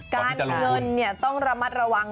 การเงินต้องระมัดระวัง